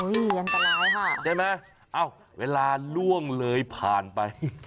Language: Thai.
อันตรายค่ะใช่ไหมเอ้าเวลาล่วงเลยผ่านไป